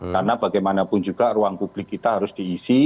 karena bagaimanapun juga ruang publik kita harus diisi